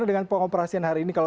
ody kornelia surabaya